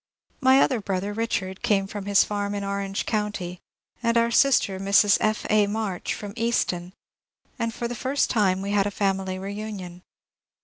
My other brother, Richard, came from his farm in Orange County, and our sister, Mrs. F. A. March, from Easton, and for the first time we had a family reunion.